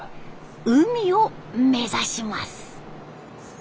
海を目指します。